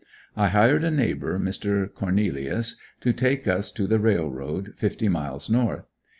I hired a neighbor, Mr. Cornelious, to take us to the Railroad, fifty miles north.